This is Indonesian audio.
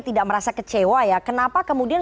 tidak merasa kecewa ya kenapa kemudian